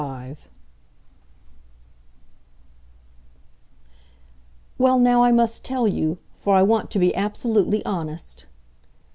V "Well, now I must tell you, for I want to be absolutely honest."